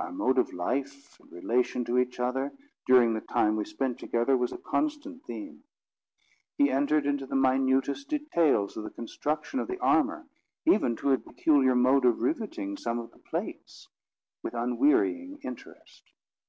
Our mode of life, and relation to each other, during the time we spent together, was a constant theme. He entered into the minutest details of the construction of the armour, even to a peculiar mode of riveting some of the plates, with unwearying interest.